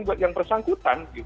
buat yang bersangkutan